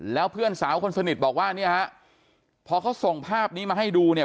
แล้วเพื่อนสาวคนสนิทบอกว่าเนี่ยฮะพอเขาส่งภาพนี้มาให้ดูเนี่ย